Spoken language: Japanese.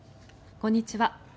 こんにちは。